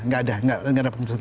tidak ada tidak ada penghentian